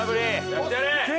・やってやれ！